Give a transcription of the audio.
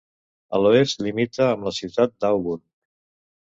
A l'oest limita amb la ciutat d'Auburn.